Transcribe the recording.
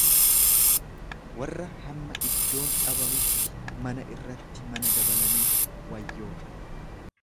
Warra hamma iddoon dhabamutti mana irratti mana dabalaniif wayyoo!